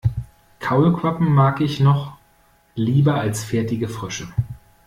Kaulquappen mag ich noch lieber als fertige Frösche.